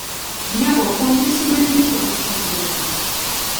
Nnyabo ogwo omubisi gw'enjuki ogutunda otya?